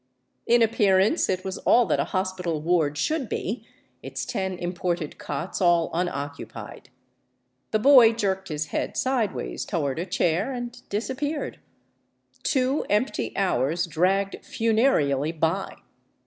In appearance it was all that a hospital ward should be, its ten imported cots all unoccupied. The boy jerked his head sidewise toward a chair and disappeared. Two empty hours dragged funereally by.